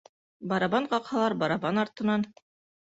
Барабан ҡаҡһалар, барабан артынан